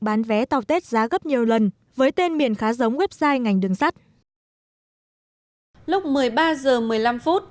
bán vé tàu tết giá gấp nhiều lần với tên miền khá giống website ngành đường sắt lúc một mươi ba h một mươi năm